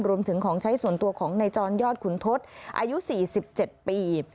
รวมถึงของใช้ส่วนตัวของนายจรยอดขุนทศอายุ๔๗ปี